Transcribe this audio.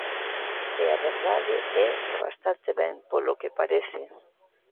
E a verdade é que bastante ben, polo que parece.